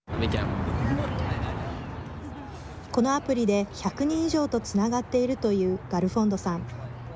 このアプリで１００人以上とつながっているというガルフォンドさん。